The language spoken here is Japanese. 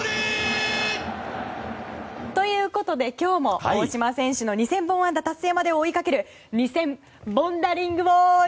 ということで、今日も大島選手の２０００本安打達成までを追いかける２０００ボンダリングウォール。